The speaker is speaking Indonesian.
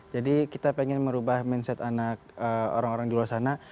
jadi kita pengen merubah mindset anak orang orang di luar sana